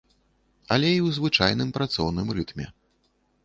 Але і ў звычайным працоўным рытме.